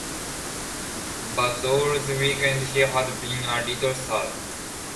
But all the weekend he had been a little sad.